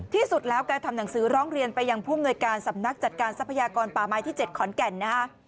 ที่สุดแล้วแกทำหนังสือร้องเรียนไปยังผู้มนวยการสำนักจัดการทรัพยากรป่าไม้ที่๗ขอนแก่นนะฮะ